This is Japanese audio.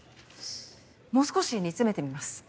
もう少し煮詰めてみます。